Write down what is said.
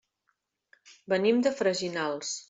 Venim de Freginals.